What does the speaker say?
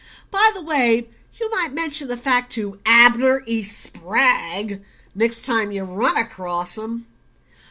"By the way, you might mention the fact to Abner E. Spragg next time you run across him."